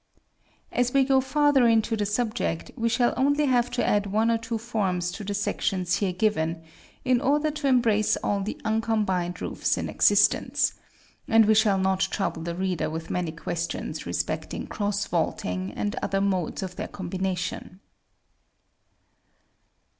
As we go farther into the subject, we shall only have to add one or two forms to the sections here given, in order to embrace all the uncombined roofs in existence; and we shall not trouble the reader with many questions respecting cross vaulting, and other modes of their combination.